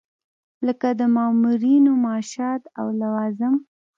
لکه د مامورینو معاشات او لوازم.